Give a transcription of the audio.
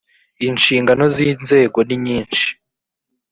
Inshingano z ‘inzego ninyishi.